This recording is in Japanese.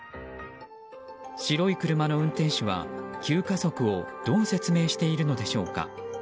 白い車の運転手は急加速をどう説明しているのでしょうか。